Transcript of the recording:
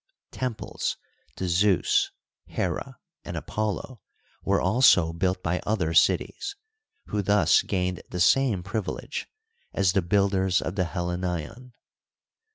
Temples to Zeus, Hera, and Apollo were also built bv other cities, who thus gained the same privilege as tne builders of the Helle neion.